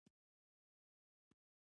بلکې د ځوانانو لپاره ډېرې نورې ګټې هم لري.